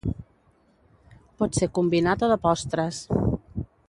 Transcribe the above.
Pot ser combinat o de postres.